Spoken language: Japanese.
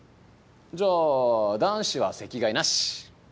じゃあ男子は席替えなし！